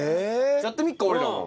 やってみっか俺らも。